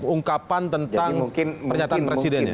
ungkapan tentang pernyataan presiden